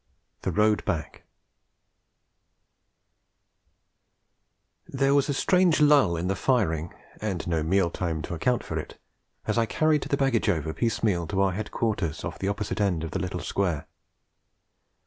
THE ROAD BACK There was a strange lull in the firing, and no meal time to account for it, as I carried the baggage over piecemeal to our headquarters off the opposite end of the little square.